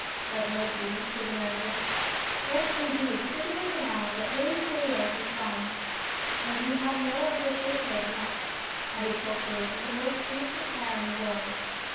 " That might do," said the manager. " Yes, indeed, particularly now that Amy Soleil has gone, and you have no one to replace her as yet," added Clotilde, with the most innocent air in the world.